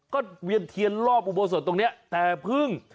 ก็เวียนเทียนรอบอุโบสถตรงนี้แต่พึ่ง